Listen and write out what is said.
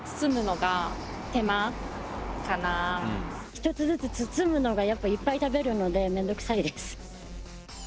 「１つずつ包むのがやっぱいっぱい食べるので面倒くさいです」